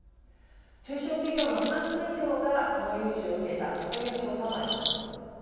中小企業の半数以上がこの融資を受けたという調査もあります。